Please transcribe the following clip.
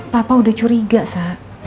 papa udah curiga sa